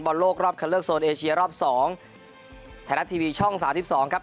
บรรโลกรอบคันเลอร์โซนเอเชียรอบสองแถวทาสทีวีช่องสาวทิศสองครับ